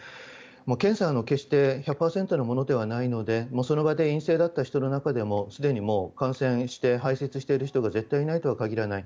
検査も決して１００％のものではないのでその場で陰性だった人の中でもすでに感染して排出している人が絶対いないとは限らない。